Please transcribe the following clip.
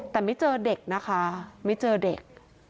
แต่ไม่เจอเด็กนะคะไม่เจอเด็ก